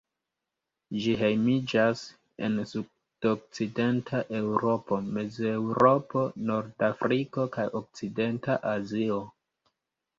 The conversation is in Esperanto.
Ĝi hejmiĝas en sudokcidenta Eŭropo, Mezeŭropo, Nordafriko kaj okcidenta Azio.